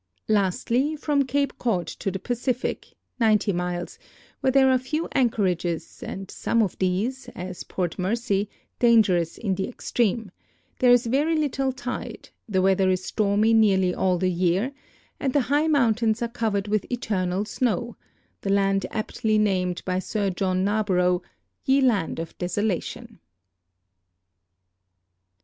Lastly, from Cape Quod to the Pacific, 90 miles, where there are few anchorages, and some of these, as Port Mercy, dangerous in the extreme, there is very little tide, the weather is stormy nearly all the year, and the high mountains are covered with eternal snow — the land aptly termed by Sir John Narbo rough " Ye Land of Desolation."